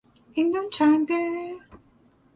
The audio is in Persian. این نون چنده؟